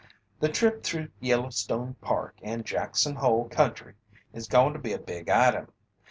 The trip through the Yellowstone Park and Jackson Hole Country is goin' to be a big item.